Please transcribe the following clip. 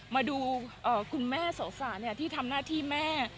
มาดูคุณแม่โสสาที่ทำหน้าที่แม่